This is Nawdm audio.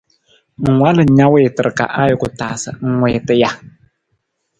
Ng walu na na wiitar ka ajuku taa sa ng wiita ja?